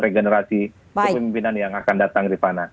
regenerasi pemimpinan yang akan datang di mana